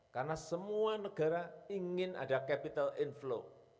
karena semua negara ingin ada capital inflow